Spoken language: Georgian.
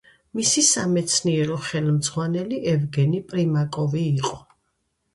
მისი სამეცნიერო ხელმძღვანელი ევგენი პრიმაკოვი იყო.